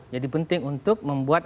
jadi penting untuk membuat